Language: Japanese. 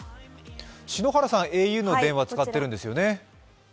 篠原さん、ａｕの電話使ってるんですよね？